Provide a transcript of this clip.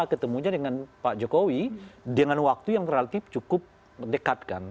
ketemunya dengan pak jokowi dengan waktu yang relatif cukup dekat kan